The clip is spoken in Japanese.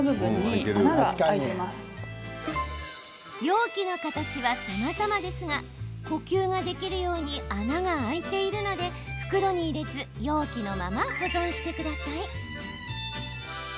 容器の形はさまざまですが呼吸ができるように穴が開いているので袋に入れず、容器のまま保存してください。